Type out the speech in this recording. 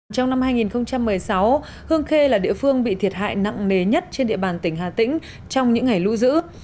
trong năm hai nghìn một mươi sáu hương khê là địa phương bị thiệt hại nặng nề nhất trên địa bàn tỉnh hà tĩnh trong những ngày lũ dữ